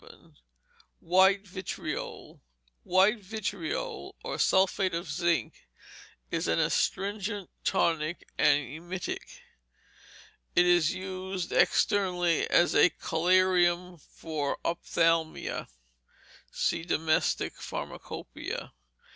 White Vitriol White Vitriol, or Sulphate of Zinc, is an astringent, tonic, and emetic. It is used externally as a collyrium for ophthalmia (See DOMESTIC PHARMACOPEIA, _par.